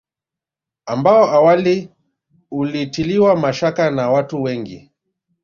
Ambao awali ulitiliwa mashaka na watu wengi